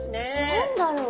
何だろう？